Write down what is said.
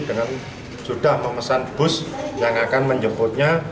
dengan sudah memesan bus yang akan menjemputnya